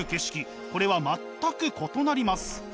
これは全く異なります。